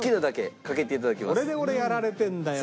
これで俺やられてるんだよな。